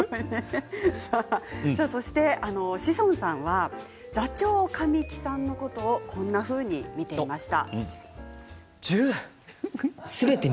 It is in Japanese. そして志尊さんは座長神木さんのことをこんなふうに見ていました。